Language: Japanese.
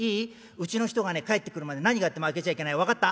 うちの人がね帰ってくるまで何があっても開けちゃいけない分かった？